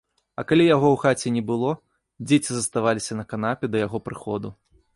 А калі яго ў хаце не было, дзеці заставаліся на канапе да яго прыходу.